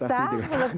membatasi dengan hajj